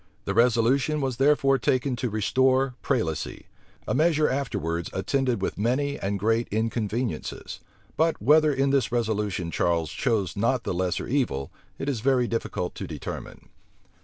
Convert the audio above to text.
The resolution was therefore taken to restore prelacy; a measure afterwards attended with many and great inconveniencies: but whether in this resolution Charles chose not the lesser evil, it is very difficult to determine.